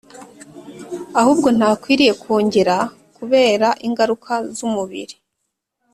ahubwo ntakwiriye kwongera kubera ingaruka z'umubiri.